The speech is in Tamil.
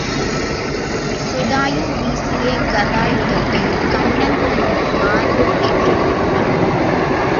சுதாயு வீசிய கதாயுதத்தைக் கண்ணன் நன் மார்பில் ஏற்றுக் கொண்டான்.